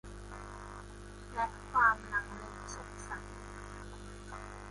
และความลังเลสงสัย